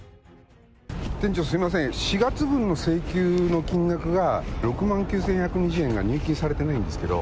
店長、すみません、４月分の請求の金額が、６万９１２０円が入金されてないんですけど。